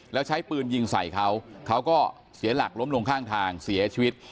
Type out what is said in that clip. แล้วใช้ปืนยิงใส่เขาเขาก็เสียหลักล้มลงข้างทางเสียชีวิต